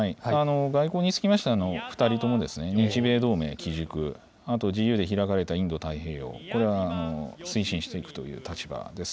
外交につきましては、２人とも日米同盟基軸、あと自由で開かれたインド太平洋、これは推進していくという立場です。